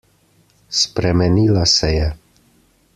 Spremenila se je.